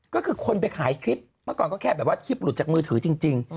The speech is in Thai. ก็คือคนไปขายคลิปเมื่อก่อนก็แค่แบบว่าคลิปหลุดจากมือถือจริง